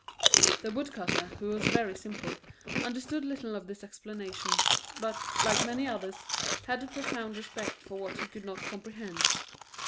The woodcutter, who was very simple, understood little of this explanation; but, like many others, had a profound respect for what he could not comprehend.